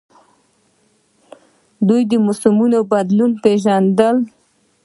دوی د موسمونو بدلون پیژانده